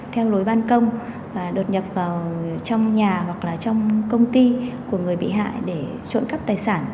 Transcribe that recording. theo lối ban công đột nhập vào trong nhà hoặc là trong công ty của người bị hại để trộm cắp tài sản